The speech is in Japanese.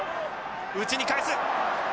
内に返す。